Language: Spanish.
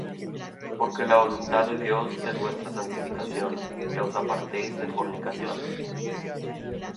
Porque la voluntad de Dios es vuestra santificación: que os apartéis de fornicación;